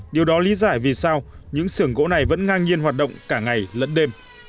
điều đó lý giải vì sao những sưởng gỗ này vẫn ngang nhiên hoạt động cả ngày lẫn đêm